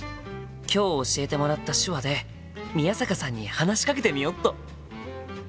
今日教えてもらった手話で宮坂さんに話しかけてみよっと！